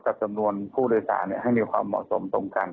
จำนวนผู้โดยสารให้มีความเหมาะสมตรงกัน